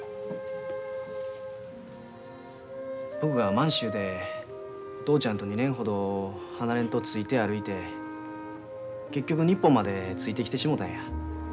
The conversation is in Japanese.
僕が満州でお父ちゃんと２年ほど離れんとついて歩いて結局日本までついてきてしもたんや。